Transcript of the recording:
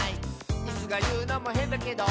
「イスがいうのもへんだけど」